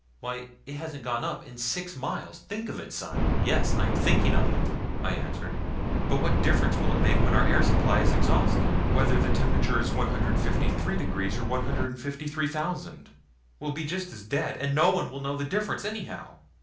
Why it hasn't gone up in six miles. Think of it, son!" "Yes, I'm thinking of it," I answered; "but what difference will it make when our air supply is exhausted whether the temperature is 153 degrees or 153,000? We'll be just as dead, and no one will know the difference, anyhow."